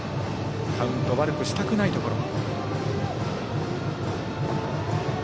カウントを悪くしたくないところ。